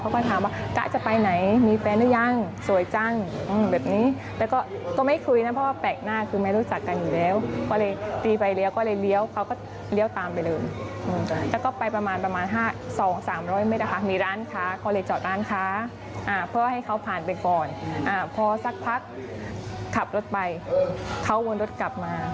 ก็เจอส่วนข้างเกือบใกล้เข้าบ้านแล้วค่ะ